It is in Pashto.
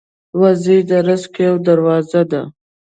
وزې د رزق یوه دروازه ده